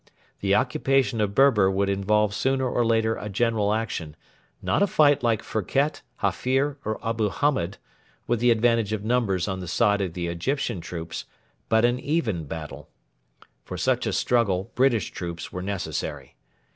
The occupation of Berber would involve sooner or later a general action; not a fight like Firket, Hafir, or Abu Hamed, with the advantage of numbers on the side of the Egyptian troops, but an even battle. For such a struggle British troops were necessary.